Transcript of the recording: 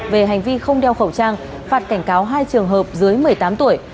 về hành vi không đeo khẩu trang phạt cảnh cáo hai trường hợp dưới một mươi tám tuổi